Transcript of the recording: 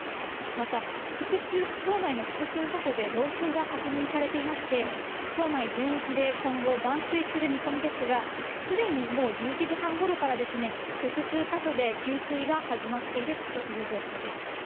また町内の複数か所で、漏水が確認されていまして、町内全域で今後、断水する見込みですが、すでにもう１１時半ごろから複数箇所で給水が始まっているという状況です。